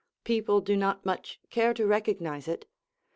"People do not much care to recognise it.